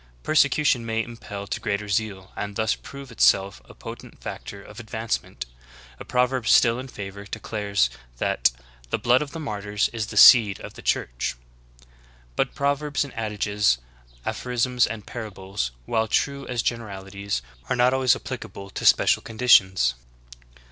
Persecution may im pel to greater zeal, and thus prove itself a potent factor of advancement. A proverb still in favor declares that "the blood of the martyrs is the seed of the Church." But prov erbs and adages, aphorisms and parables, while true as gen eralities, are not always applicable to special conditions.